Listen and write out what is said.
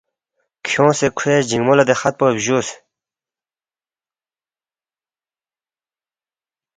کھیونگسے کھوے جِنگمو لہ دے خط پو بجُوس